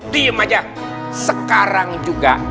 diem aja sekarang juga